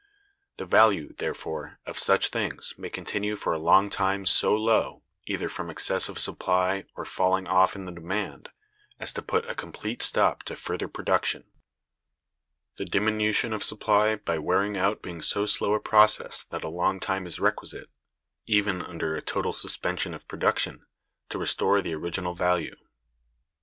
The value, therefore, of such things may continue for a long time so low, either from excess of supply or falling off in the demand, as to put a complete stop to further production; the diminution of supply by wearing out being so slow a process that a long time is requisite, even under a total suspension of production, to restore the original value.